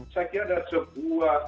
saya kira ada sebuah